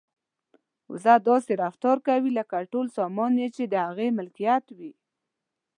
وزه داسې رفتار کوي لکه ټول سامان چې د هغې ملکیت وي.